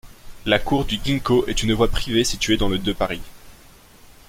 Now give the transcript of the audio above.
La cour du Ginkgo est une voie privée située dans le de Paris.